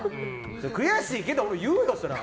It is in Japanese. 悔しいけど、言うよ、そりゃ。